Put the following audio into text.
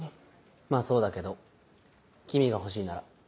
まぁそうだけど君が欲しいなら。